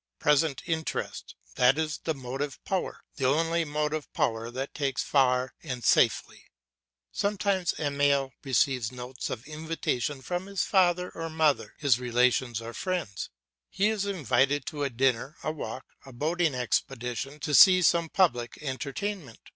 Present interest, that is the motive power, the only motive power that takes us far and safely. Sometimes Emile receives notes of invitation from his father or mother, his relations or friends; he is invited to a dinner, a walk, a boating expedition, to see some public entertainment.